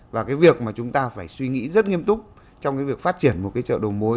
và cái việc mà chúng ta phải suy nghĩ rất nghiêm túc trong cái việc phát triển một cái chợ đầu mối